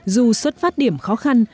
dù xuất phát điểm khó khăn